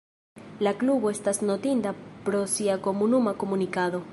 La klubo estas notinda pro sia komunuma komunikado.